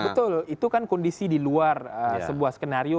betul itu kan kondisi di luar sebuah skenario